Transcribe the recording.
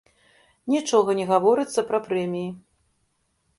Нічога не гаворыцца пра прэміі.